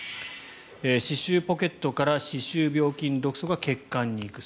歯周ポケットから歯周病菌、毒素が血管に行く。